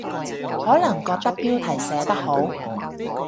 可能覺得標題寫得好